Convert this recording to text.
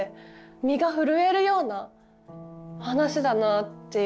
身が震えるような話だなって思いましたね